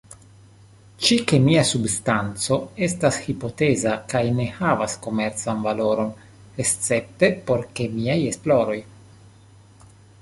Ĉi-kemia substanco estas hipoteza kaj ne havas komercan valoron, escepte por kemiaj esploroj.